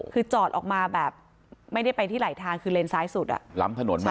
คือจอดออกมาแบบไม่ได้ไปที่ไหลทางคือเลนซ้ายสุดอ่ะล้ำถนนมา